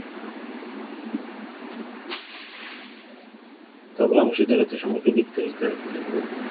তবে অংশীদারত্ব সম্পর্কে বিস্তারিত কোনো তথ্য প্রকাশ করা হয়নি।